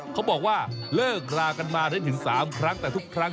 เขาบอกว่าเลิกลากันมาได้ถึง๓ครั้ง